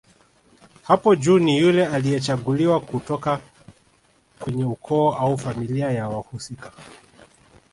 Hapo juu ni yule aliyechaguliwa kutoka kwenye ukoo au familia ya wahusika